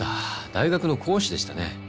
大学の講師でしたね。